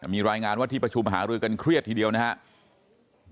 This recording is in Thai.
มีรายงานว่าที่ประชุมหารือกันเครียดทีเดียวนะครับ